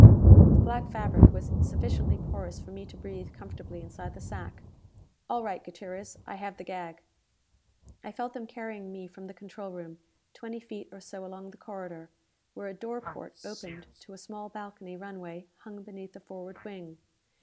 The black fabric was sufficiently porous for me to breathe comfortably inside the sack. "All right, Gutierrez, I have the gag." I felt them carrying me from the control room, twenty feet or so along the corridor, where a door porte opened to a small balcony runway hung beneath the forward wing.